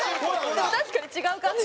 でも確かに違う感じが。